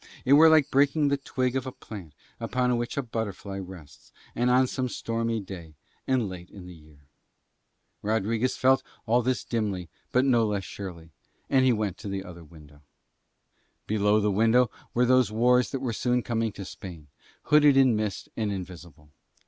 It were like breaking the twig of a plant upon which a butterfly rests, and on some stormy day and late in the year. Rodriguez felt all this dimly, but no less surely; and went to the other window. Below the window were those wars that were soon coming to Spain, hooded in mist and invisible.